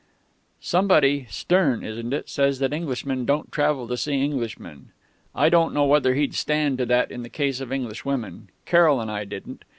"Somebody Sterne, isn't it? says that Englishmen don't travel to see Englishmen. I don't know whether he'd stand to that in the case of Englishwomen; Carroll and I didn't....